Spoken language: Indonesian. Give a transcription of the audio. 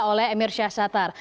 oleh emir syahshatar